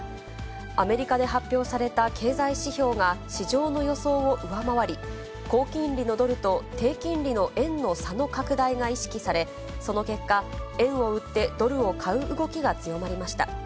アメリカで発表された経済指標が市場の予想を上回り、高金利のドルと低金利の円の差の拡大が意識され、その結果、円を売ってドルを買う動きが強まりました。